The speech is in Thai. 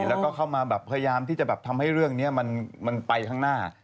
แล้วก็เข้ามาแบบพยายามที่จะแบบทำให้เรื่องนี้มันไปข้างหน้า